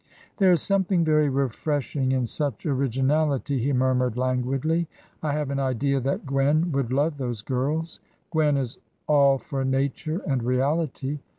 "There is something very refreshing in such originality," he murmured, languidly. "I have an idea that Gwen would love those girls. Gwen is all for nature and reality.